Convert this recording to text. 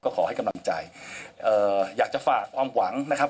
ขอให้กำลังใจเอ่ออยากจะฝากความหวังนะครับ